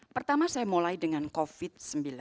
pertama saya mulai dengan covid sembilan belas